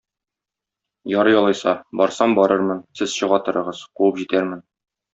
Ярый, алайса, барсам барырмын, сез чыга торыгыз, куып җитәрмен.